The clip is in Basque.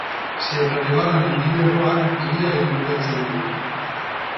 Sierra Nevada mendilerroak hiria inguratzen du.